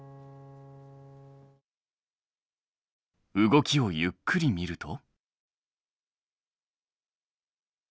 動きをゆっくり見ると。